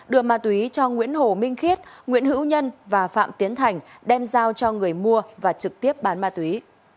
đưa ma túy cho nguyễn hồ minh khiết nguyễn hữu nhân và phạm tiến thành đem giao cho người mua và trực tiếp bán ma túy